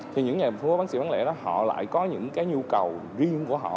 thì những nhà phố bán sĩ bán lẻ đó họ lại có những cái nhu cầu riêng của họ